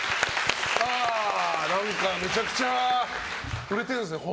めちゃくちゃ売れているんですね、本。